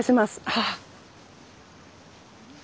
ああ。